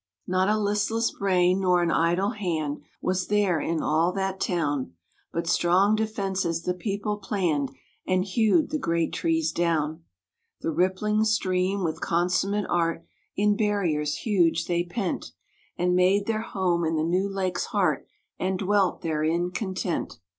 Not a listless brain nor an idle hand Was there in all that town, But strong defences the people planned, And hewed the great trees down. The rippling stream, with consummate art, In barriers huge they pent, And made their home in the new lake's heart, And dwelt therein content.